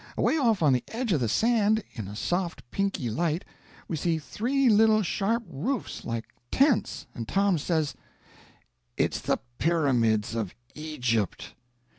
Away off on the edge of the sand, in a soft pinky light, we see three little sharp roofs like tents, and Tom says: "It's the pyramids of Egypt."